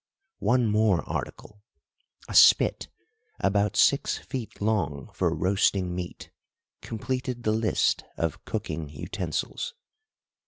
One more article, a spit about six feet long for roasting meat, completed the list of cooking utensils.